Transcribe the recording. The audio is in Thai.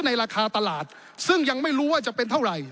ราคาตลาดซึ่งยังไม่รู้ว่าจะเป็นเท่าไหร่